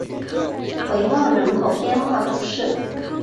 维旺人口变化图示